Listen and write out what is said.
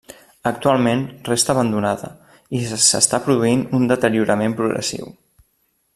Actualment resta abandonada i s'està produint un deteriorament progressiu.